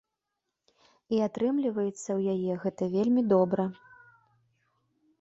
І атрымліваецца ў яе гэта вельмі добра.